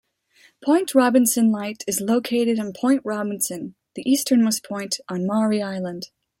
Point Robinson Light is located on Point Robinson, the easternmost point on Maury Island.